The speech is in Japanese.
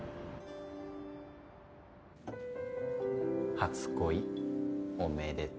初恋おめでとう。